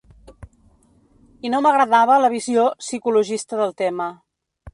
I no m’agradava la visió psicologista del tema.